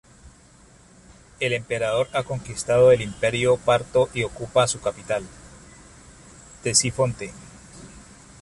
El emperador ha conquistado el Imperio Parto y ocupado su capital, Ctesifonte.